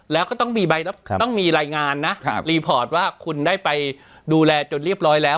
แล้วก็ต้องมีรายงานนะรีพอร์ตว่าคุณได้ไปดูแลจนเรียบร้อยแล้ว